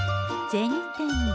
銭天堂。